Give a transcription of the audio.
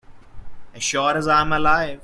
As sure as I am alive.